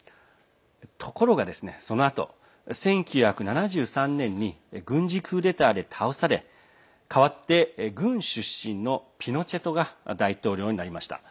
ところが、そのあと１９７３年に軍事クーデターで倒され代わって、軍出身のピノチェトが大統領になりました。